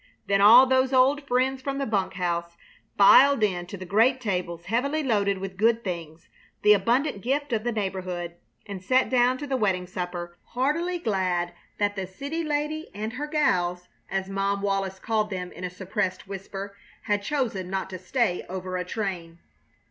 Then all those old friends from the bunk house filed in to the great tables heavily loaded with good things, the abundant gift of the neighborhood, and sat down to the wedding supper, heartily glad that the "city lady and her gals" as Mom Wallis called them in a suppressed whisper had chosen not to stay over a train.